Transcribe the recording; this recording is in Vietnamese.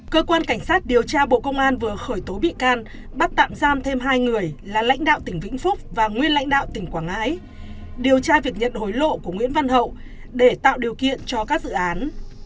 cơ quan cảnh sát điều tra bộ công an vừa khởi tố bị can bắt tạm giam thêm hai người là lãnh đạo tỉnh vĩnh phúc và nguyên lãnh đạo tỉnh quảng ngãi điều tra việc nhận hối lộ của nguyễn văn hậu để tạo điều kiện cho các dự án